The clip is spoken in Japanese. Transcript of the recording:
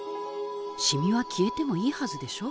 しみは消えてもいいはずでしょ？